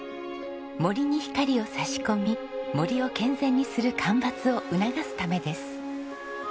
森に光を差し込み森を健全にする間伐を促すためです。